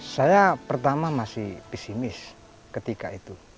saya pertama masih pesimis ketika itu